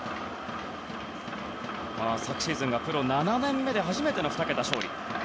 昨シーズンがプロ７年目で初めての２桁勝利。